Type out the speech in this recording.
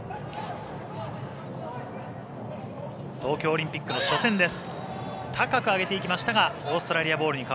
東京オリンピックの初戦です。